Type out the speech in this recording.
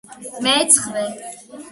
მეცხრე.